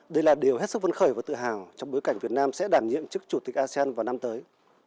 đây là điều hết sức vấn khởi và tự hào trong bối cảnh việt nam sẽ đảm nhiệm chức chủ tịch asean vào năm tới